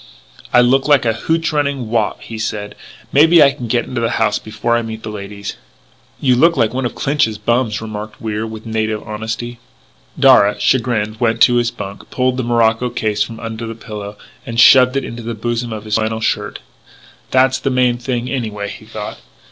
"I look like a hootch running Wop," he said. "Maybe I can get into the house before I meet the ladies " "You look like one of Clinch's bums," remarked Wier with native honesty. Darragh, chagrined, went to his bunk, pulled the morocco case from under the pillow, and shoved it into the bosom of his flannel shirt. "That's the main thing anyway," he thought.